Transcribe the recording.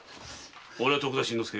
俺は徳田新之助。